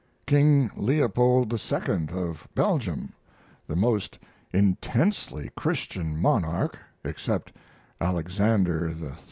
King Leopold II. of Belgium, the most intensely Christian monarch, except Alexander VI.